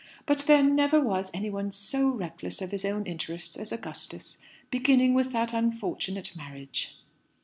But there never was any one so reckless of his own interests as Augustus beginning with that unfortunate marriage."